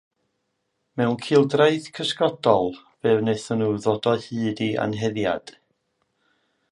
Mewn cildraeth cysgodol fe wnaethon nhw ddod o hyd i anheddiad.